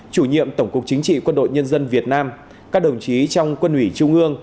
chủ nhiệm tổng cục chính trị quân đội nhân dân việt nam các đồng chí trong quân ủy trung ương